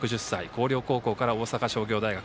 広陵高校から大阪商業大学。